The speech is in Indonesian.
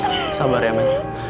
kamu tetep sabar ra ma